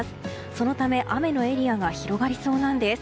そのため雨のエリアが広がりそうなんです。